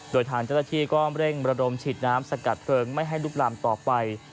โดยทางเจ้าหน้าที่ก็เร่งระดมฉีดน้ำสกัดเพลิงไม่ให้ลุกลามต่อไป